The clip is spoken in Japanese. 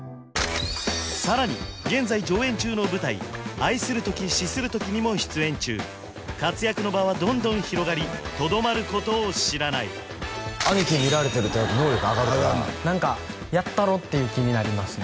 さらに現在上演中の舞台「愛するとき死するとき」にも出演中活躍の場はどんどん広がりとどまることを知らない兄貴に見られてると能力上がるから何かやったろっていう気になりますね